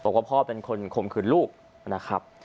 บอกว่าพ่อเป็นคนข่มขืนลูกนะครับ